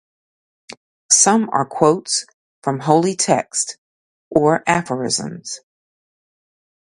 Some are quotes from holy texts, or aphorisms.